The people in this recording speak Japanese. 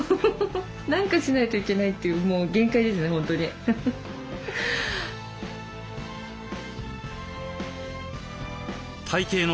何かしないといけないっていうもう限界ですね